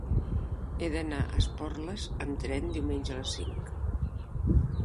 He d'anar a Esporles amb tren diumenge a les cinc.